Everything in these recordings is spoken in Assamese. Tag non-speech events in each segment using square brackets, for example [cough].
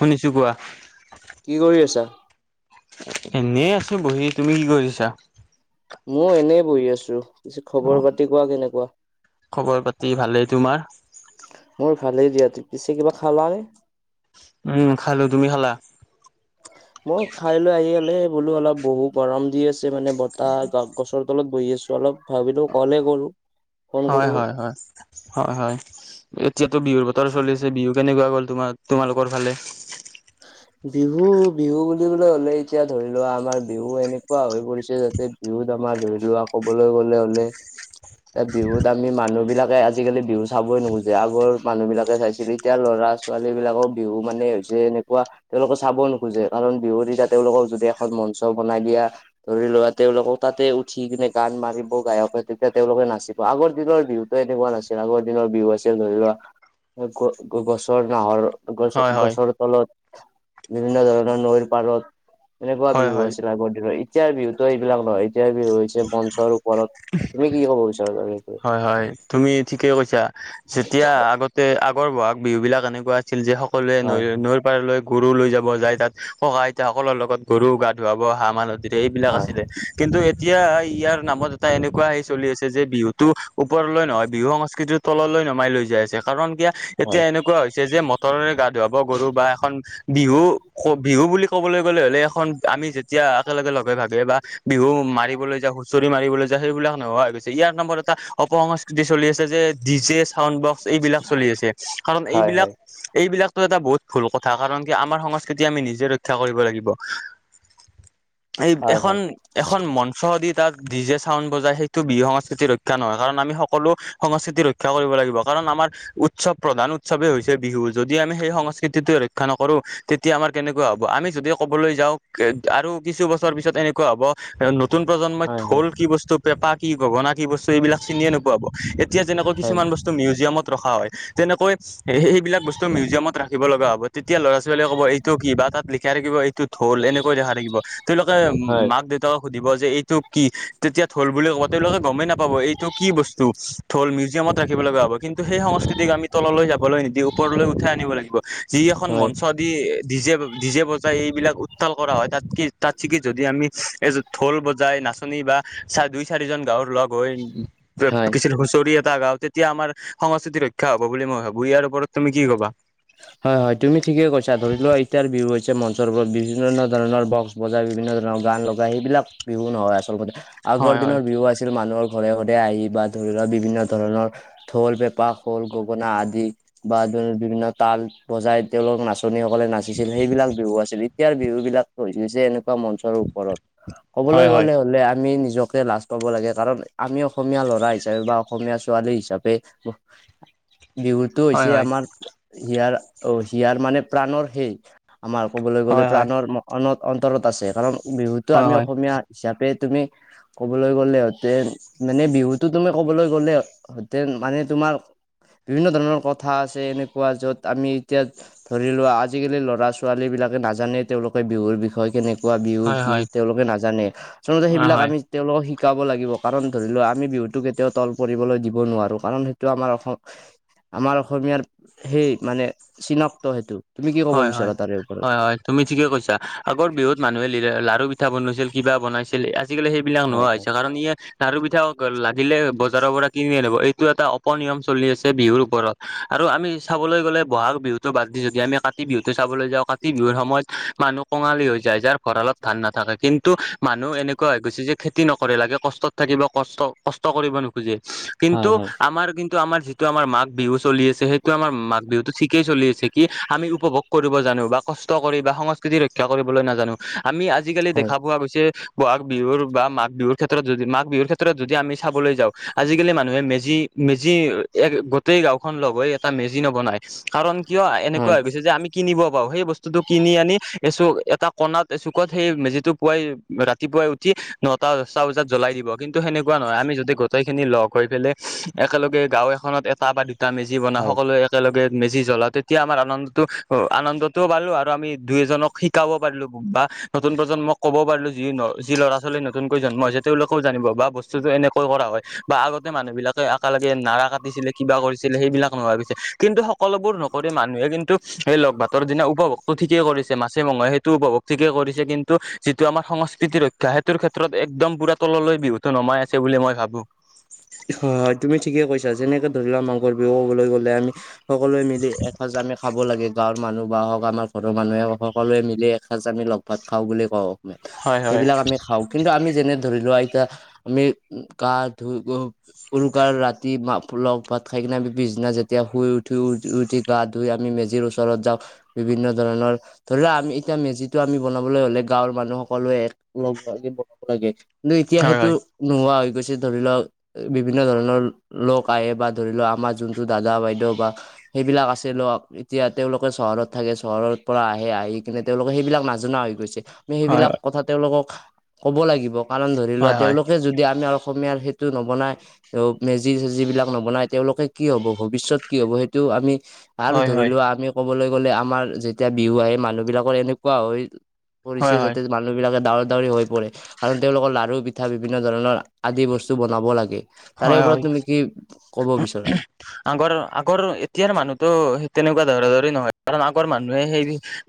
শুনিছো কোৱা। কি কৰি আছা? এনেই আছোঁ বহি, তুমি কি কৰিছা? মই এনেই বহি আছো পিছে অ খবৰ পাতি কোৱা কেনেকুৱা? খবৰ পাতি ভালেই, তোমাৰ? মোৰ ভালেই দিয়া ত পিছে কিবা খালা নে? উম খালো, তুমি খালা? মই খাই লৈ আহি এনে বোলো অলপ বহো গৰম দি আছে। মানে বতাহ গছৰ তলত বহি আছো অলপ ভাবিলো কলে কৰো। ফোন হয় কৰো। হয় হয়। হয় হয় এতিয়াতো বিহুৰ বতৰ চলিছে বিহু কেনেকুৱা গ'ল তোমাৰ তোমালোকৰ ফালে। [unintelligible] বিহু বিহু বুলিবলে হ'লে এতিয়া ধৰি লোৱা আমাৰ বিহু এনেকুৱা হৈ পৰিছে ইয়াতে বিহুত আমাৰ ধৰি লোৱা কবলৈ গলে হলে এ বিহুত আমি মানুহ বিলাকে আজিকালি বিহু চাবই নোখোজে আগৰ মানুহ বিলাকে চাইছিলো এতিয়া ল'ৰা ছোৱালী বিলাকৰ বিহু মানে হৈছে এনে কোৱা তেওঁলোকে চাব নোখোজে কাৰণ বিহুত এতিয়া তেওঁলোকক যদি এখন মঞ্চ বনাই দিয়া ধৰি ললা তেওঁলোকক তাতে উঠি কিনে গান মাৰিব গায়কে তেতিয়া তেওঁলোকে নাচিব। আগৰ দিনৰ বিহুতো এনেকুৱা নাছিল আগৰ দিনৰ বিহু আছিল ধৰি লোৱা গ-গছৰ নাহৰ গছ হয় হয় গছৰ তলত বিভিন্ন ধৰণৰ নৈৰ পাৰত এনেকুৱা হয় হয় বিহু আছিল আগৰ দিনত এতিয়াৰ বিহুতো এইবিলাক নহয় এতিয়াৰ বিহু হৈছে মঞ্চৰ ওপৰত তুমি কি ক'ব বিচাৰা হয় হয় তুমি ঠিকে কৈছা। যেতিয়া আগতে আগৰ বহাগ বিহু বিলাক এনেকুৱা আছিল যে সকলোৱে হয় নৈ নৈৰ লৈ গৰু লৈ যাব যাই তাত ককা আইতা সকলৰ লগত গৰুও গা ধুৱাব আমাৰ নদীত এইবিলাক হয় আছিলে, হয় কিন্তু এতিয়া ইয়াৰ নামত এটা এনেকুৱা আহি চলি আছে যে বিহুত টো ওপৰলৈ নহয় বিহু সংস্কৃতিৰ তললৈ নমাই লৈ যাই আছে কাৰণ কিয়া এতিয়া এনেকুৱা হৈছে যে মটৰৰে গা ধুৱাব গৰু বা এখন বিহু বিহু বুলি ক'বলৈ গ'লে হলে এখন আমি যেতিয়া একেলগে লগে ভাগে বা বিহু মাৰিবলৈ যাও হুঁচৰি মাৰিবলৈ যাও সেইবিলাক নোহোৱা হৈ গৈছে ইয়াৰ নম্বৰত এটা অপসংস্কৃতি চলি আছে যে ডি জে চাউন্ডবক্স এইবিলাক চলি আছে কাৰণ হয় এইবিলাক হয় এইবিলাক টো এটা বহুত ভুল কথা কাৰণ কি আমাৰ সংস্কৃতি আমি নিজে ৰক্ষা কৰিব লাগিব। এই হয় এখন হয় এখন মঞ্চ দি তাক ডিজে চাউন বজাই সেইটো বিহু সংস্কৃতিৰ ৰক্ষ ক্ষা নহয় কাৰণ আমি সকলো সংস্কৃতি ৰক্ষা কৰিব লাগিব কাৰণ আমাৰ উৎসৱ প্ৰধান উৎসৱেই হৈছে বিহু যদি আমি সেই সংস্কৃতিটো ৰক্ষা নকৰো, তেতিয়া আমাৰ কেনেকুৱা হ'ব আমি যদি ক'বলৈ যাওঁ আৰু কিছু বছৰ পিছত এনেকুৱা হ'ব, নতুন প্ৰজন্মই হয় হয় ঢোল কি বস্তু পেপা কি গগনা কি বস্তু এইবিলাক চিনিয়ে নোপোৱা হব এই এতিয়া যেনেকৈ হয় কিছুমান বস্তু মিউজিয়ামত ৰখা হয় তেনেকৈ এ সেইবিলাক বস্তু মিউজিয়ামত ৰাখিব লগা হ'ব তেতিয়া ল'ৰা -ছোৱালীয়ে ক'ব এইটো কি বা তাত লিখাই থাকিব এই টো ঢোল এনেকৈ দেখা থাকিব তেওঁলোকে হয় মাক- দেউতাক সুধিব যে এইটো কি তেতিয়া ঢোল বুলি কব তেওঁলোকে গমেই নাপ ক'ব এইটো কি বস্তু ঢোল মিউজিয়ামত ৰাখিব লগা হ'ব কিন্তু সেই সংস্কৃতিক আমি তললৈ যাবলৈ নিদিও ওপৰলৈ উঠাই আনিব লাগিব যি এখন হয় মঞ্চত দি ডিজে -ডিজে বজাই এইবিলাক উত্তাল কৰা হয় তাতকে - তাটছেকে যদি আমি এ ঢোল বজাই নাচনী বা চা -দুই -চাৰিজন গাঁৱৰ লগ হৈ হয় কিছু হুঁচৰি এটা গাও তেতিয়া আমাৰ সংস্কৃতি ৰক্ষা হ'ব বুলি মই ভাবো ইয়াৰ ওপৰত তুমি কি ক'বা? হয় -হয় তুমি ঠিকে কৈছা ধৰি লোৱা এতিয়াৰ বিহু হৈছে মঞ্চৰউপৰত বিভিন্ন ধৰণৰ বস্ক বজাই বিভিন্ন ধৰণৰ গান লগাই সেইবিলাক বিহু নহয় আচলকতে আগৰ হয় হয় দিনৰ বিহু আছিল মানুহৰ ঘৰে- ঘৰে আহি বা ধৰি লোৱা বিভিন্ন ধৰণৰ ঢোল, পেঁপা, খোল, গগনা আদি বা [unintelligible] বিভিন্ন তাল বজাই তেওঁলোক নাচনী সকলে নাচিছিল সেইবিলাক বিহু আছিল এতিয়াৰ বিহু বিলাক হৈ গৈছে এনেকুৱা মঞ্চৰ ওপৰত কবলৈ হয় হয় গলে হলে আমি নিজকে লাজ পাব লাগে কাৰণ আমি অসমীয়া ল'ৰা হিচাপে বা অসমীয়া ছোৱালী হিচাপে বিহুটো হয় হৈছে আমাৰ হিয়াৰ অ, হিয়াৰ মানে প্ৰাণৰ সেই আমাৰ ক'বলৈ গ'লে হয় হয় প্ৰাণৰ [unintelligible] অন্তৰত আছে কাৰণ বিহুটো হয় হয় আমি হয় অসমীয়া হিচাপে তুমি ক'বলৈ গ'লে হতেন মানে বিহুটো তুমি ক'বলৈ গ'লে হতেন মানে তোমাৰ বিভিন্ন ধৰণৰ কথা আছে এনেকুৱা য'ত আমি এতিয়া ধৰি লোৱা আজিকালিৰ ল'ৰা- ছোৱালীবিলাকে নাজানেই তেওঁলোকে বিহুৰ বিষয়ে কেনে কোৱা বিহু হয় হয় কি হয় তেওঁলোকে নাজানে আচলতে হয় সেইবিলাক আমি তেওঁলোকক শিকাব লাগিব কাৰণ ধৰি লোৱা আমি বিহুতো কেতিয়াও তল পৰিবলৈ দিব নোৱাৰো কাৰণ সেইটো আমাৰ অসম আমাৰ অসমীয়াৰ সেই মানে চিনাক্ত সেইটো। তুমি কি ক'ব হয়- বিচাৰা তাৰে ওপৰত হয়-হয় -হয়। তুমি ঠিকে কৈছা আগৰ বিহু মানুহে লিৰা লাৰু, পিঠা বনইছিল কিবা বনাইছিল আজিকালি সেই বিলাক হয় নোহোৱা হয় হৈছে কাৰণ ইয়ে লাৰু, পিঠা লাগিলে বজাৰৰ পৰা কিনি আনিব এইটো এটা অপনিয়ম চলি আছে বিহুৰ ওপৰত। আৰু আমি চাবলৈ গ'লে বহাগ বিহুতো বাদ দি যদি আমি কাতি বিহুতো চাবলৈ যাওঁ কাতি বিহুৰ সময়ত মানুহ কঙালী হৈ যায় যাৰ ভঁৰালত ধান নাথাকে কিন্তু মানুহ এনেকুৱা হৈ গৈছে যে খেতি নকৰে লাগে কষ্টত থাকিব কষ্ট- কষ্ট কৰিব নোখোজে। কিন্তু হয় হয় আমাৰ কিন্তু আমাৰ যি যিটো আমাৰ মাঘ বিহু চলি আছে সেইটো আমাৰ মাঘ বিহুটো ঠিকেই চলি আছে কি আমি উপভোগ কৰিব জানো বা কষ্ট কৰি বা সংস্কৃতি ৰক্ষা কৰিবলৈ নাজানো আমি আজিকালি হয় দেখা পোৱা গৈছে বহাগ বিহুৰ বা মাঘ বিহুৰ ক্ষেত্ৰত যদি মাঘ বিহুৰ ক্ষেত্ৰত যদি আমি চাবলৈ যাওঁ আজিকালি মানুহে মেজি মেজি এক গোটেই গাঁওখন লগ হৈ এটা মেজি নবনায় কাৰণ কিয় এনেকুৱা হয় হৈ গৈছে যে আমি কিনিব পাওঁ সেই বস্তুটো কিনি আনি এচু এটা কণাত এচুকত সেই মেজিটো পোৱাই ৰাতিপুৱাই উঠি নটা, দচটা বজাত জ্বলাই দিব কিন্তু সেনেকুৱা নহয় আমি যদি গোটেই খিনি লগ হৈ ফেলে একেলগে গাঁও এখনত এটা বা দুটা মেজি বনাওঁ হয় সকলোৱে একেলগে মেজি জ্বলাওঁ তেতিয়া আমাৰ আনন্দ টো আনন্দতও পালো আৰু আমি দুই, এজনক শিকাব পাৰিলোঁ বা নতুন প্ৰজন্মক ক'ব পাৰিলো যি -যি ল'ৰা -ছোৱালী নতুনকৈ জন্ম হৈছে তেওঁলোকেও জানিব বা বস্তুটো এনেকৈ কৰা হয় বা আগতে মানুহ বিলাকে আকালগে নাৰা কাটিছিলে কিবা কৰিছিলে সেইবিলাক নোহোৱা গৈছে কিন্তু সক সকলোবোৰ নকৰি মানুহে কিন্তু সেই লগ ভাতৰ দিনা উপভোগটো ঠিকেই কৰিছে মাছে- মঙহে সেইটো উপভোগ ঠিকেই কৰিছে কিন্তু যিটো আমাৰ সংস্কৃতিৰ ৰক্ষা সেইটোৰ ক্ষেত্ৰত একদম পুৰা তললৈ বিহুটো নমাই আছে বুলি মই ভাবো। হয় -হয় তুমি ঠিকে কৈছা যেনেকে ধৰি লোৱা মাংগৰ বিহু ক'বলৈ গ'লে আমি সকলোৱে মিলি এসাঁজ আমি খাব লাগে। গাঁৱৰ মানুহ বা হওক আমাৰ ঘৰৰ মানুহে সকলোৱে মিলি এসাঁজ আমি লগ ভাত খাওঁ বুলি কওঁ। হয় হয় সেইবিলাক আমি খাওঁ কিন্তু আমি যেনে ধৰি লোৱা আতয়া আমি গা ধুই উৰুকাৰ ৰাতি লগ ভাত খাই কিনে আমি পিছদিনা যেতিয়া শুই উঠি উঠো উঠি গা ধুই আমি মেজিৰ ওচৰত যাওঁ বিভিন্ন ধৰণৰ ধৰি লও আমি এতিয়া মেজিতটো আমি বনাবলৈ হলে গাঁৱৰ মানুহ সকলে একে বনাব লাগে। কিন্তু এতিয়া হয় হয় সেইটো নোহোৱা হৈ গৈছে ধৰি লওক বিভিন্ন ধৰণৰ লোক আহে বা ধৰি লও আমাৰ যোনটো দাদা বাইদেউ বা সেইবিলাক আছে ল এতিয়া তেওঁলোকে চহৰত থাকে চহৰ পৰা আহে আহি কিনে তেওঁলোকৰ সেইবিলাক নাজনা হৈ গৈছে। আ হয় সেইবিলাক কথা তেওঁলোকক ক'ব লাগিব কাৰণ ধৰি লোৱা হয় হয় তেলোকে যদি আমি অসমীয়াৰ টো নবনায়, মেজি চেজি বিলাক নবনাই তেওঁলোকে কি হব ভৱিষ্যত কি হব সেইটো আমি আৰু হয় ধৰি হয় লোৱা আমি ক'বলৈ গ'লে আমাৰ যেতিয়া বিহু আহে মানুহ বিলাকৰ এনেকুৱা হয় কৰিছে হয় হয় যাতে মানুহ বিলাকে ডাৱৰ দাাৱৰি হৈ পৰে। কাৰণ তেওঁলোকৰ লাৰু পিঠা বিভিন্ন ধৰণৰ আদি বস্তু বনাব লাগে তাৰে হয় ওপৰত হয় তুমি কি ক'ব বিচৰা? আগৰ আগৰ এতিয়াৰ মানুহতো সেই তেনেকুৱা ধৰা ধৰি নহয় কাৰণ আগৰ মানুহে সেই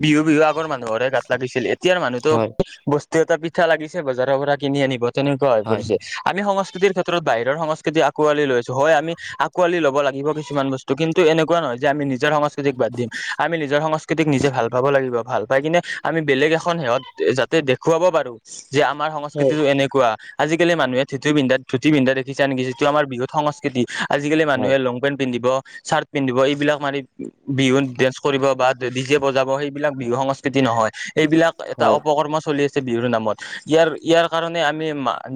বিহু বিহু আগৰ মানুহৰে গাত লাগিছিলে। এতিয়াৰ মানুহতো হয় বস্তু এটা পিঠা লাগিছে বজাৰৰ পৰা কিনি আনিব তেনেকুৱা হৈ হয় পৰিছে। আমি সং স্কৃতিৰ ক্ষেত্ৰত বাহিৰৰ সংস্কৃতি আকোৱালি লৈছো, হয় আমি আকোৱাল ল'ব লাগিব কিছুমান বস্তু কিন্তু এনেকুৱা নহয় যে আমি নিজৰ সং ষ্কূতিক বাদ দিম, আমি নিজৰ সংস্কৃতিক নিজে ভাল পাব লাগিব ভাল পাই কিনে আমি বেলেগ এখন সেহত যাতে দেখুৱাব পাৰো যে, আমাৰ হয় সংস্কৃতিটো এনেক কোৱা আজিকালি মানুহে ধুতি পিন্ধা ধুতি পিন্ধা দেখিছা নেকি যিটো আমাৰ বিহুত সং ষ্কূতি আজিকালি হয় মানুহে লং পেন্ট পিন্ধিব, চাৰ্ট পিন্ধিব এইবিলাক মাৰি বিহু ডেন্স কৰিব বা ডিজে বজাব সেইবিলাক বিহু সংস্কৃতি নহয়। এইবিলাক এটা হয় অপকৰ্ম চলি আছ আছে বিহুৰ নামত, ইয়াৰ- ইয়াৰ কাৰণে আমি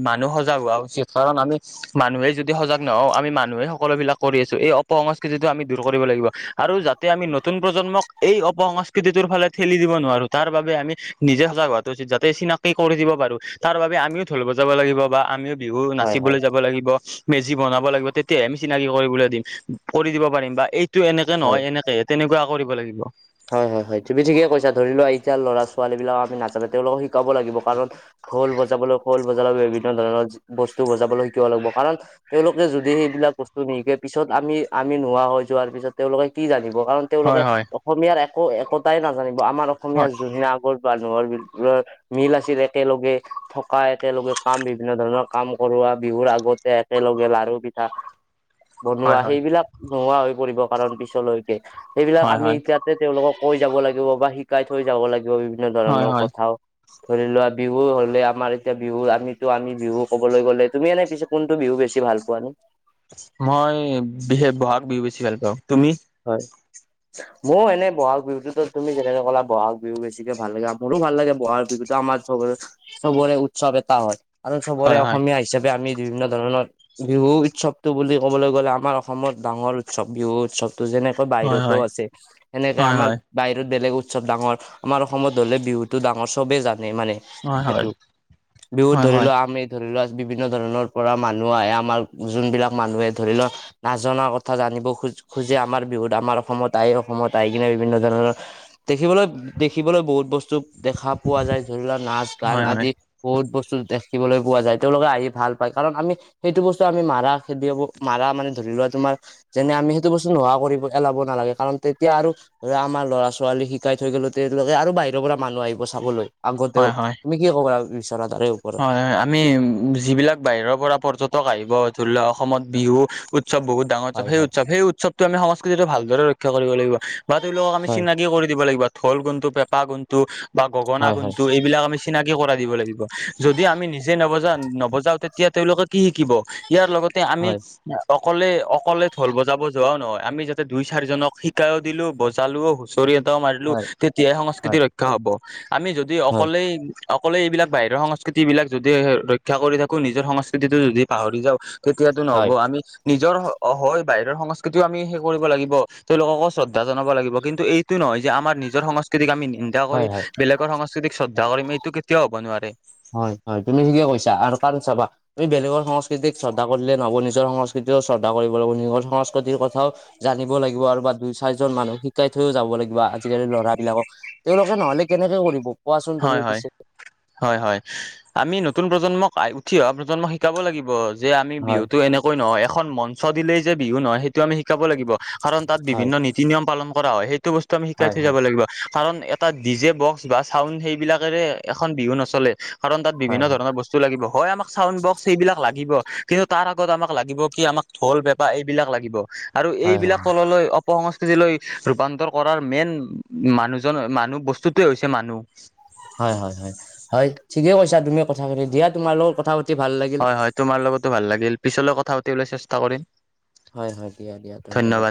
মানুহ সজাগ হোৱা উচিত কাৰণ আমি মানুহে যদি সজাগ নহওঁ আমি মানুহে সকলো বিলাক কৰি আছো, এই অপসংস্কৃতিটো আমি দূৰ কৰিব লাগিব। আৰু যাতে আমি নতুন প্ৰজন্মক এই অপসংস্কৃতিটোৰ ফালে ঠেলি দিব নোৱাৰো তাৰ বাবে আমি নিজে সজাগ হোৱাটো উচিত যাতে চিনাকি কৰি দিব পাৰো, তাৰ বাবে আমিও ঢোল বজাব লাগিব বা আমিও বিহু হয় হয় চিবলৈ যাব লাগিব, মেজি বনাব লাগিব তেতিয়ে আমি চিনাকি কৰিবলৈ দিম কৰি দিব পাৰিম বা এই টো এনেকে হয় নহয় এনেকেহে তেনেকুৱা কৰিব লাগিব। হয় হয়- হয় তুমি ঠিকে কৈছা ধৰি লোৱা এতিয়া ল'ৰা ছোৱালী বিলাক আমি নাজানে তেওঁলোকক শিকাব লাগিব কাৰণ ঢোল বজাবলৈ খোল বজাব বিভিন্ন ধৰণৰ বস্তু বজাবলৈ শিকিব লাগিব কাৰণ তেওঁলোকে যদি সেইবিলাক বস্তু নিশিকে পিছত আমি- আমি নোহোৱা হৈ যোৱাৰ পিছত তেওঁলোকে কি জানিব কাৰণ হয় তেওঁলোকে হয় অসমীয়াৰ একো একতাই নাজানিব আমাৰ অসমীয়া হয় যোনে আগৰ মানুহৰ মিল আছিল একেলগে থকা একেলগে কাম বিভিন্ন ধৰণৰ কাম কৰোৱা বিহুৰ আগতে একেলগে লাৰু পিঠা [inaudible] হয় বনোৱা হয় সেইবিলাক নোহোৱা হৈ পৰিব কাৰণ পিছলৈকে, সেইবিলাক হয় আমি হয় এতিয়া তে তেওঁলোকক কৈ যাব লাগিব বা শিকাই থৈ যাব লাগিব বিভিন্ন হয় ধৰণৰ হয় কথাওঁ। ধৰি লোৱা বিহু হ'লে আমাৰ এতিয়া বিহু আমিতো আমি বিহু ক'বলৈ গ'লে তুমি এনে পিছত কোনটো বিহু বেছি ভাল পোৱা? মই বিহে বহাগ বিহু বেছি ভাল পাওঁ, তুমি? হয়। মওঁ এনে বহাগ বিহুতো তুমি যেনেকে ক'লা বহাগ বিহু বেছিকে ভাল লাগে মোৰো ভাল লাগে বহাগ বিহু আমাৰ চবৰে-চবৰে উৎসৱ এটা হয় আৰু চবৰে হয় হয় অসমীয়া হিচাপ আমি বিভিন্ন ধৰণৰ বিহু উৎসৱটো বুলি ক'বলৈ গ'লে আমাৰ অসমত ডাঙৰ উৎসৱ বিহু উৎসৱ যেনেকৈ হয় বাহিৰতো হয় আছে সেনেকে হয় আমাৰ হয় বাহিৰত বেলেগ উৎসৱ ডাঙৰ আমাৰ অসমত ধৰিলে বিহুটো ডাঙৰ চবে জানে মানে হয় সেইটো, বিহুত হয় ধৰি হয় হয় লওঁ আমি ধৰি লোৱা বিভিন্ন ধৰণৰ পৰা মানুহ আহে আমাৰ যোনবিলাক মানুহে ধৰি লোৱা নাজনা কথা জানিব খোজ খোজে আমাৰ বিহুত আমাৰ অসমত আহি অসমত আহি কিনে বিভিন্ন ধৰণৰ দেখিবলৈ-দেখিবলৈ বহুত বস্তু দেখা পোৱা যায় ধৰি লোৱা নাচ গান হয় হয় আদি বহুত বস্তু দেখিবলৈ পোৱা যায়, তেওঁলোকে আহি ভাল পায় কাৰণ আমি সেইটো বস্তু আমি মাৰা খেদি মাৰা মানে ধৰি লোৱা তোমাৰ যেনে আমি টো বস্তু নোহোৱা কৰিব পেলাব নালাগে কাৰণ তেতিয়া আৰু আৰু আমাৰ ল'ৰা ছোৱালী শিকাই থৈ গ'লে তেওঁলোকে আৰু বাহিৰৰ পৰা মানুহ আহিব চাবলৈ। আগতেও হয় হয় তুমি কি ক'বা হয়, হয় আমি যিবিলাক বাহিৰৰ পৰা পৰ্যটক আহিব ধৰি লোৱা অসমত বিহু উৎসৱ বহুত ডাঙৰ উৎসৱ সেই উৎসৱ সেই উৎসৱটো আমি সংস্কৃতিটো আমি ভালদৰে ৰক্ষা কৰিব লাগিব। বা তেওঁলোকক আমি চিনাকি কৰি দিব লাগিব ঢোল কোনটো, পেঁপা কোনটো বা গগনা কোনটো এইবিলাক আমি চিনাকি কৰাই দিব লাগিব। যদি আমি নিজে নবজাওঁ- নৱজাওঁ তেতিয়া তেওঁলোকে কি শিকিব ইয়াৰ লগতে আমি অকলে- অকলে ঢোল বজাব যোৱাওঁ নহয়, আমি যাতে দুই চাৰিজনক শিকাইওঁ দিলো বজালোওঁ হুঁচৰি এটাও মাৰিলো তেতিয়াহে সংস্কৃতি ৰক্ষা হ'ব, আমি যদি অকলেই অকলে এইবিলাক বাহিৰৰ সংস্কৃতি বিলাক যদি ৰক্ষা কৰি থাকো নিজৰ সংস্কৃতিটো যদি পাহৰি যাওঁ তেতিয়াতো নহ'ব আমি নিজৰ হয় বাহিৰৰ সংস্কৃতিও আমি শেষ কৰিব লাগিব। তেওঁলোককো শ্ৰদ্ধা জনাব লাগিব কিন্তু এই এইটো নহয় যে আমাৰ নিজৰ সংস্কৃতিক আমি নিন্দা কৰি বেলেগৰ সংস্কৃতিক শ্ৰদ্ধা কৰিম এইটো কেতিয়াও হ'ব নোৱাৰে। হয়, হয় তুমি ঠিকে কৈছা? আৰু কাৰণ চাবা আমি বেলেগৰ সংস্কৃতিক শ্ৰদ্ধা কৰিলে নহব নিজৰ সংস্কৃতিও শ্ৰদ্ধা কৰিব লাগিব নিজৰ সংস্কৃতিৰ কথাও জানিব লাগিব আৰু বা দুই চাৰিজন মানুহ শিকাই থৈও যাব লাগিব আজিকালি লৰা বিলাকক তেওঁলোকে নহ'লে কেনেকে কৰিব, কোৱাচোন তুমি হয় হয় পিছে হয়, হয় আমি নতুন প্ৰজন্মক উঠি অহা প্ৰজন্মক শিকাব লাগিব যে আমি হয় বিহুতো এনেক কৈ নহয় এখন মঞ্চ দিলেই যে বিহু নহয় সেইটো আমি শিকাব লাগিব। কাৰণ তাত হয় বিভিন্ন নি নীতি নিয়ম পালন কৰা হয়। সেইটো বস্তু আমি শিকাই হয় থৈ যাব হয় লাগিব। কাৰণ এটা ডি জে বক্স বা চাউন সেইবিলাকেৰে এখন বিহু নচলে। কাৰণ, তাত হয় বিভিন্ন হয় ধৰণৰ বস্তু লাগিব হয় আমাক চাউন্ড বক্স এইবিলাক লাগিব কিন্তু তাৰ আগত আমাক লাগিব কি আমাক ঢোল, পেঁপা এইবিলাক লাগিব আৰু হয় হয় এইবিলাক তললৈ অপসংস্কৃতিলৈ ৰূপান্তৰ কৰাৰ মেইন মানুহজন মানুহ বস্তুটোৱেই হৈছে মানুহ। হয়, হয়, হয় হয় ঠিকে কৈছা তুমি কথা পাতি দিয়া তোমাৰ লগত কথা পাতি ভাল লাগিল। হয় হয় তোমাৰ লগতো ভাল লাগিল পিছলৈ কথা পাতিবলৈ চেষ্টা কৰিম। হয়, হয় দিয়া দিয়া ধন্যবাদ।